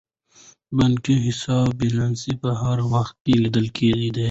د بانکي حساب بیلانس په هر وخت کې لیدل کیدی شي.